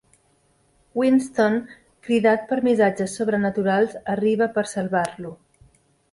Winston, cridat per missatges sobrenaturals, arriba per salvar-lo.